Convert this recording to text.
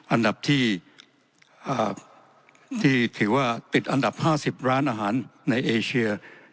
อันดับที่ถือว่าติดอันดับ๕๐ร้านอาหารในเอเชีย